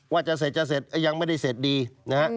ว่าจะเสร็จจะเสร็จยังไม่ได้เสร็จดีนะฮะ